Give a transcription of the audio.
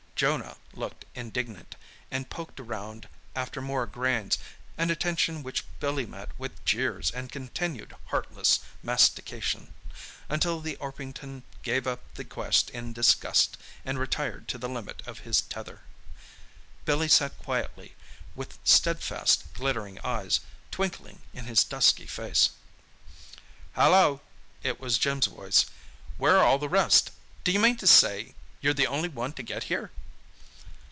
Jonah looked indignant, and poked round after more grains, an attention which Billy met with jeers and continued heartless mastication, until the Orpington gave up the quest in disgust, and retired to the limit of his tether. Billy sat quietly, with steadfast glittering eyes twinkling in his dusky face. "Hallo!" It was Jim's voice. "Where are all the rest? D'you mean to say you're the only one to get here?"